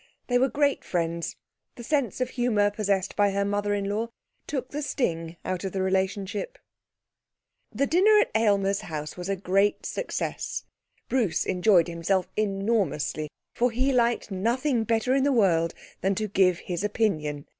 They were great friends; the sense of humour possessed by her mother in law took the sting out of the relationship. The dinner at Aylmer's house was a great success. Bruce enjoyed himself enormously, for he liked nothing better in the world than to give his opinion.